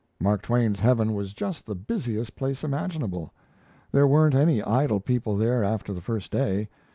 Mark Twain's heaven was just the busiest place imaginable. There weren't any idle people there after the first day.